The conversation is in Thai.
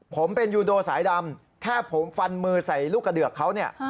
ผมเป็นยูโดสายดำแค่ผมฟันมือใส่ลูกกระเดือกเขาเนี่ย